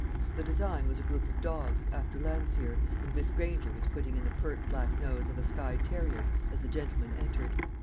The design was a group of dogs, after Landseer, and Miss Granger was putting in the pert black nose of a Skye terrier as the gentlemen entered.